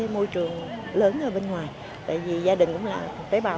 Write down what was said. môi trường lớn ở bên ngoài tại vì gia đình cũng là tế bào